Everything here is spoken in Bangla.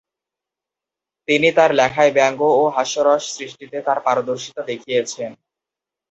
তিনি তার লেখায় ব্যঙ্গ ও হাস্যরস সৃষ্টিতে তার পারদর্শীতা দেখিয়েছেন।